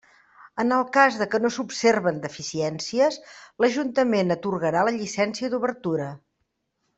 En el cas que no s'observen deficiències, l'ajuntament atorgarà la llicència d'obertura.